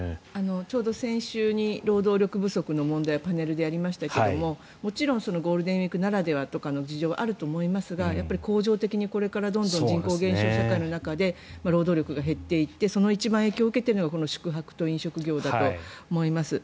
ちょうど先週労働力不足の問題をパネルでやりましたけどもちろんゴールデンウィークならではの事情もあると思いますが恒常的にこれからどんどん人口減少社会の中で労働力が減っていって一番、その影響を受けているのがこの宿泊と飲食業だと思います。